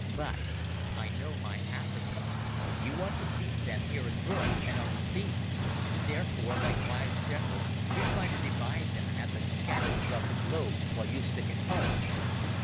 But I know my Africa. You want to beat them here in Europe and on the seas. Therefore, like wise generals, you try to divide them and have them scattered throughout the globe while you stick at home.